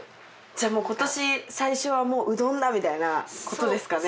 今年最初はうどんだみたいなことですかね？